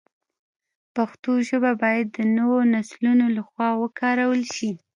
پښتو ژبه باید د نویو نسلونو له خوا وکارول شي.